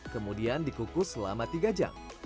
kemudian dikukus selama tiga jam